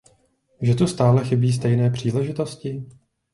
Že tu stále chybí stejné příležitosti?